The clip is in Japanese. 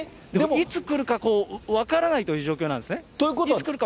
いつ来るか分からないという状況で。